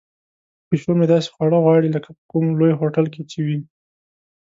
پیشو مې داسې خواړه غواړي لکه په کوم لوی هوټل کې چې وي.